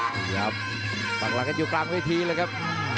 ครับปรับรับกันอยู่กลางวิธีเลยครับ